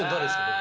僕。